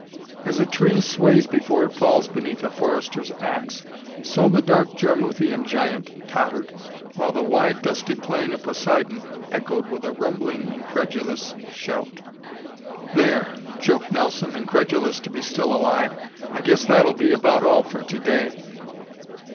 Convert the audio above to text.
As a tree sways before it falls beneath a forester's ax, so the dark Jarmuthian giant tottered, while the wide dusty plain of Poseidon echoed with a rumbling, incredulous shout. "There," choked Nelson, incredulous to be still alive, "I guess that'll be about all for to day."